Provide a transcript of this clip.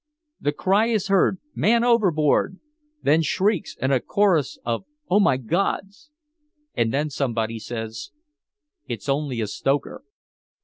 The cry is heard 'Man overboard!' then shrieks and a chorus of 'Oh my God's!' And then somebody says, 'It's only a stoker.'"